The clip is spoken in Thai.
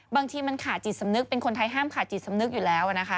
บางทีมันขาดจิตสำนึกเป็นคนไทยห้ามขาดจิตสำนึกอยู่แล้วนะคะ